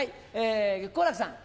好楽さん。